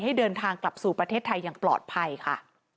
ให้เดินทางกลับสู่ประเทศไทยอย่างปลอดภัยค่ะ